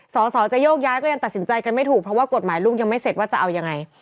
สอสอจะโยกย้ายก็ยังตัดสินใจกันไม่ถูกเพราะว่ากฎหมายลูกยังไม่เสร็จว่าจะเอายังไง